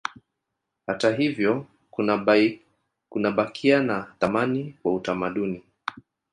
Hata hivyo kunabakia na thamani kwa utamaduni